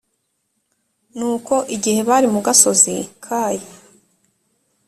nuko igihe bari mu gasozi kayi